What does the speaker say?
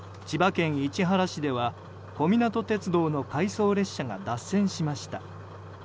千葉県市原市では小湊鉄道の回送列車が脱線しました。